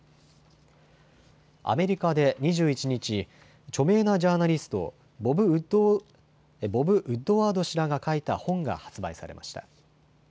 アメリカで２１日、著名なジャーナリスト、ボブ・ウッドワード氏らが書いた本が発売されました。